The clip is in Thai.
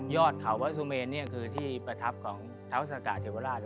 ยอดเขาพระสุเมนคือที่ประทับของเทาสักกะเถวราช